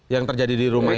yang terjadi di rumah itu